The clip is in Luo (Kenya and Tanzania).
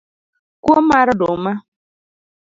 Kuo mar oduma